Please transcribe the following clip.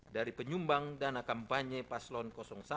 dari penyumbang dana kampanye paslon satu